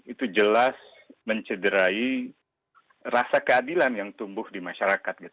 itu jelas mencederai rasa keadilan yang tumbuh di masyarakat